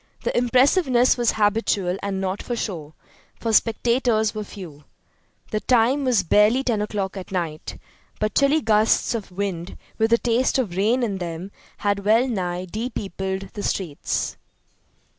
The impressiveness was habitual and not for show, for spectators were few. The time was barely 10 o'clock at night, but chilly gusts of wind with a taste of rain in them had well nigh depeopled the streets.